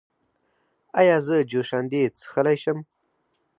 ایا زه جوشاندې څښلی شم؟